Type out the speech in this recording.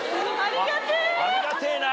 ありがてぇな。